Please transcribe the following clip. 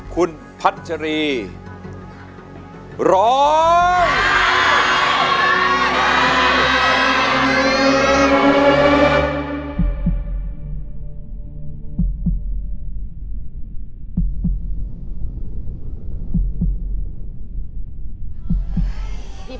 คุณพัชรีร้อง